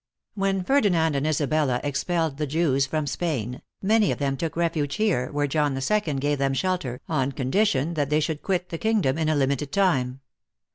" When Fer dinand arid Isabella expelled the Jews from Spain, many of them took refuge here, where John II. gave them shelter, on condition that they should quit the kingdom in a limited time.